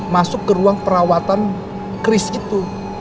masuk ke ruang perawatan kris itu